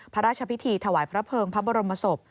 พระราชพิธีถวายพระเภิงพระบรมศพ